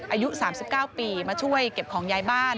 อายุ๓๙ปีมาช่วยเก็บของย้ายบ้าน